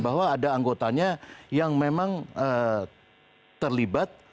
bahwa ada anggotanya yang memang terlibat